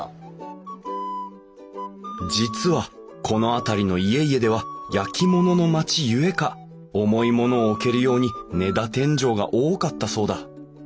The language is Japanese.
実はこの辺りの家々では焼き物の町ゆえか重い物を置けるように根太天井が多かったそうだ